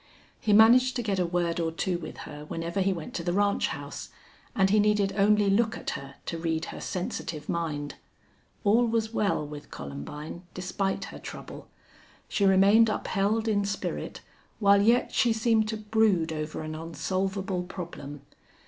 He managed to get a word or two with her whenever he went to the ranch house, and he needed only look at her to read her sensitive mind. All was well with Columbine, despite her trouble. She remained upheld in spirit, while yet she seemed to brood over an unsolvable problem.